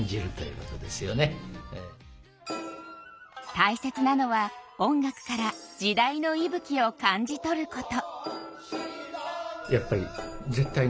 大切なのは音楽から時代の息吹を感じ取ること。